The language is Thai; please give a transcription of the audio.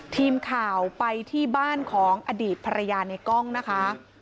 ทีมข่าวไปที่บ้านของอดีตภรรยาในกล้องนะคะ